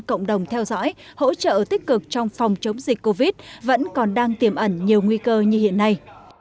cộng đồng theo dõi hỗ trợ tích cực trong phòng chống dịch covid vẫn còn đang tiềm ẩn nhiều nguy cơ như hiện nay